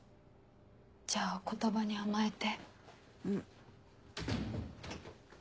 じゃあお言葉に甘えて。